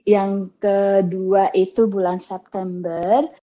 yang kedua itu bulan september